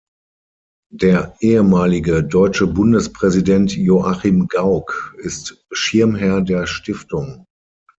Der ehemalige deutsche Bundespräsident Joachim Gauck ist Schirmherr der Stiftung.